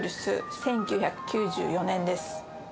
１９９４年です